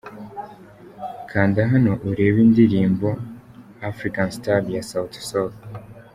Kanda Hano Urebe indirimbo 'Afrikan Star' ya Sauti Sol.